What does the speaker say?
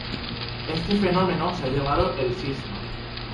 Este fenómeno se ha llamado el Cisma.